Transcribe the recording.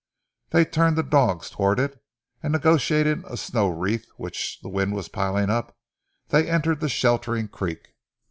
They turned the dogs towards it, and negotiating a snow wreath which the wind was piling up, they entered the sheltering creek.